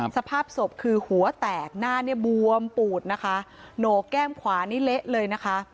สภาพศพคือหัวแตกหน้าเนี่ยบวมปูดนะคะโหนกแก้มขวานี่เละเลยนะคะ